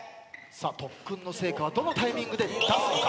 特訓の成果はどのタイミングで出すのか。